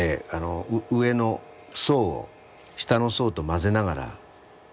上の層を下の層と混ぜながら。